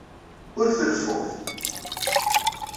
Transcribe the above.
Ur treffumt.